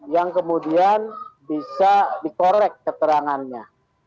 yang kemudian bisa dikorek keterangannya